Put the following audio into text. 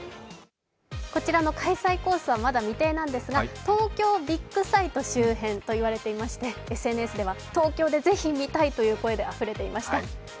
こちらの開催コースはまだ未定なんですが、東京ビッグサイト周辺と言われていましてＳＮＳでは東京でぜひ見たいという声であふれていました。